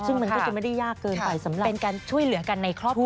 ซึ่งมันก็จะไม่ได้ยากเกินไปสำหรับเป็นการช่วยเหลือกันในครอบครัว